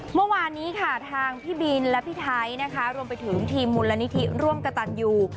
เมื่อวานนี้ค่ะทางพี่บินและพี่ไทยนะคะรวมไปถึงทีมมูลนิธิร่วมกระตันยู